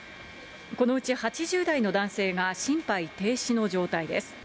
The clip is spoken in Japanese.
このうち８０代の男性が心肺停止の状態です。